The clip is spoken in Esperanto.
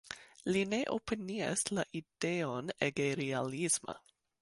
Li ne opinias la ideon ege realisma.